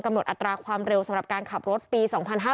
หมดอัตราความเร็วสำหรับการขับรถปี๒๕๕๙